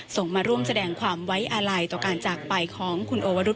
ส่งมาร่วมแสดงความไว้อาลัยต่อการจากไปของคุณโอวรุธ